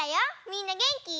みんなげんき？